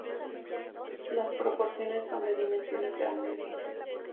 Las proporciones son de dimensiones grandiosas.